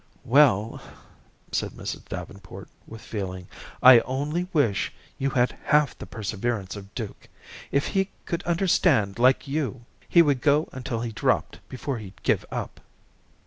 "Well," said Mrs. Davenport, with feeling, "I only wish you had half the perseverance of Duke. If he could understand like you, he would go until he dropped before he'd give up."